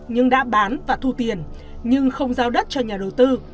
nhưng đã bán và thu tiền nhưng không giao đất cho nhà đầu tư